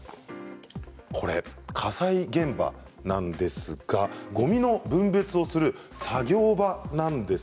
これは火災現場なんですがごみの分別をする作業場なんです。